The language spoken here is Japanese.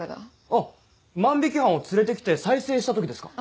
あっ万引犯を連れて来て再生した時ですか。